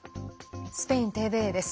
スペインＴＶＥです。